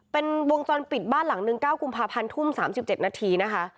เป็นวงจรปิดบ้านหลังนึง๙กุมภาพันธ์ทุ่ม๓๗นาทีนะคะ